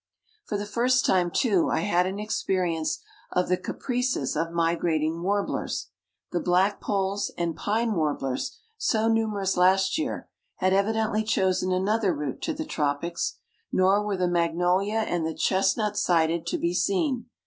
For the first time, too, I had an experience of the caprices of migrating warblers. The blackpolls and pine warblers, so numerous last year, had evidently chosen another route to the tropics, nor were the magnolia and the chestnut sided to be seen.